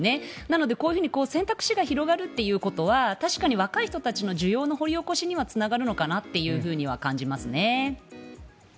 なので、選択肢が広がるということは確かに若い人たちの需要の掘り起こしにはつながるのかなと感じますね。